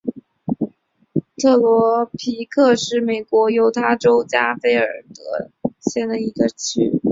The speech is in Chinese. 特罗皮克是美国犹他州加菲尔德县的一个镇。